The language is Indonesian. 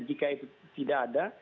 jika itu tidak ada